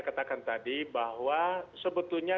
katakan tadi bahwa sebetulnya